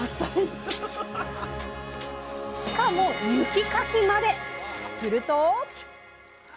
しかも雪かきまで⁉すると。